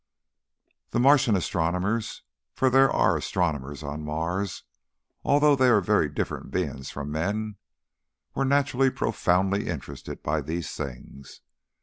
The Martian astronomers for there are astronomers on Mars, although they are very different beings from men were naturally profoundly interested by these things.